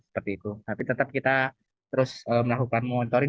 tapi tetap kita terus melakukan monitoring dan surveillance